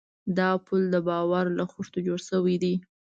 دا پُل د باور له خښتو جوړ شوی دی.